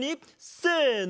せの！